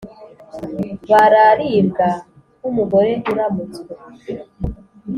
bararibwa nk’umugore uramutswe.